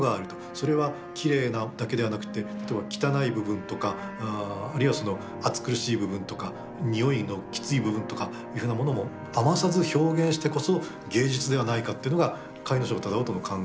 それは綺麗なだけではなくて例えば穢い部分とかあるいは暑苦しい部分とか匂いのきつい部分とかいうふうなものも余さず表現してこそ芸術ではないかっていうのが甲斐荘楠音の考え。